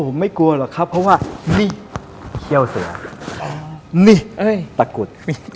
อ๋อผมไม่กลัวหรอกครับเพราะว่านี่เคี่ยวเสือนี่ตะกุด